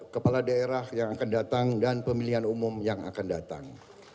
kepala daerah yang akan datang dan pemilihan umum yang akan datang